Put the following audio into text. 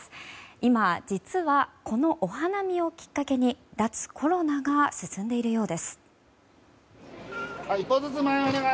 今、実はこのお花見をきっかけに脱コロナが進んでいるようです。